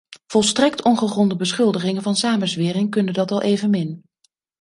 Volstrekt ongegronde beschuldigingen van samenzwering kunnen dat al evenmin.